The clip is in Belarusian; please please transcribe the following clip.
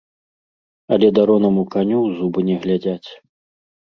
Але даронаму каню ў зубы не глядзяць.